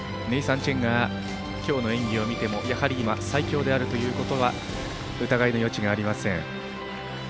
ネイサン・チェンが今日の演技を見てもやはり今、最強であることは疑いの余地がありません。